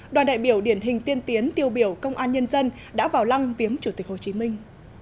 đoàn đại biểu điển hình tiên tiến tiêu biểu công an nhân dân đã vào lăng viếng chủ tịch hồ chí minh